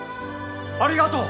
ありがとう！